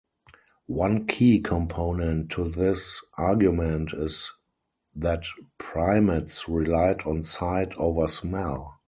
One key component to this argument is that primates relied on sight over smell.